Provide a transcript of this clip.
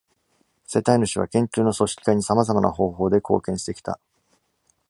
世帯主は研究の組織化にさまざまな方法で貢献してきた。